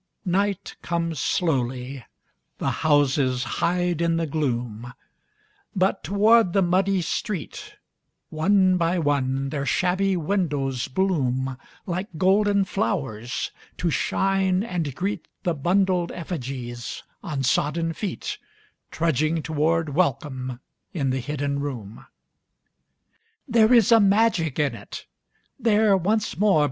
Night comes slowly, the houses hide in the gloom; But toward the muddy street One by one their shabby windows bloom Like golden flowers, to shine and greet The bundled effigies on sodden feet Trudging toward welcome in the hidden room. There is a magic in it. There once more.